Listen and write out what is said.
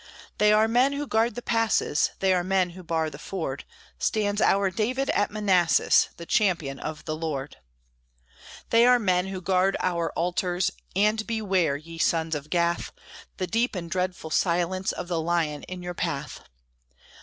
They are men who guard the passes, They are men who bar the ford; Stands our David at Manassas, The champion of the Lord. They are men who guard our altars, And beware, ye sons of Gath, The deep and dreadful silence Of the lion in your path.